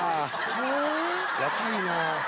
「若いなあ」